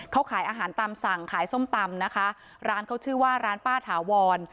เขาขายอาหารตามสั่งขายส้มตำนะคะร้านเขาชื่อว่าร้านป้าถาวร